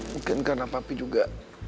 mungkin karena papi juga